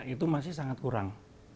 itu masih sangat kurang